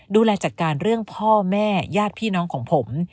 ดูแลจัดการเรื่องพ่อแม่ญาติพี่น้องของผม